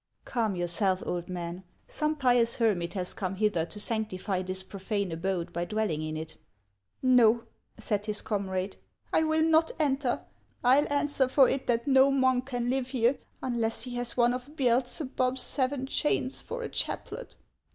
" Calm yourself, old man. Some pious hermit has come hither to sanctify this profane abode by dwelling in it." HAXS OF ICELAND. 135 "' No/' said his comrade, " 1 will not enter. I '11 answer for it that no uiouk can live here, unless he has one of Beelzebub's seven chains for a chaplet."